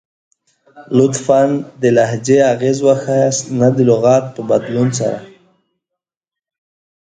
لطفاً ، د لهجې اغیز وښایست نه د لغات په بدلون سره!